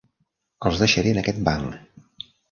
Els deixaré en aquest banc.